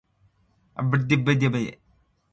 Agiumsirã shi alantsã, acãtsarã s-facã halat.